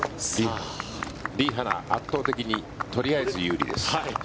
リ・ハナ、圧倒的にとりあえず有利です。